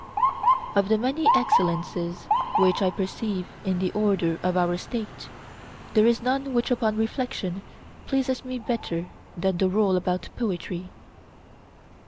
Of the many excellences which I perceive in the order of our State, there is none which upon reflection pleases me better than the rule about poetry.